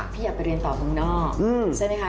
พี่อยากไปเรียนต่อตรงนอก